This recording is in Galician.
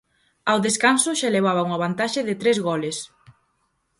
Ao descanso xa levaba unha vantaxe de tres goles.